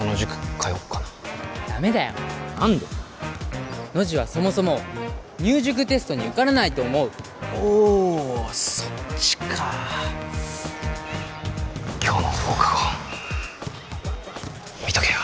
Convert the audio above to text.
通おっかなダメだよ何でノジはそもそも入塾テストに受からないと思うおおそっちか今日の放課後見とけよ